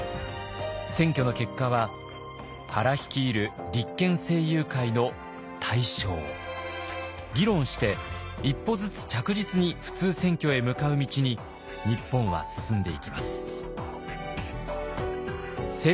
選挙の結果は原率いる立憲政友会の大勝。議論して一歩ずつ着実に普通選挙へ向かう道に日本は進んでいきます。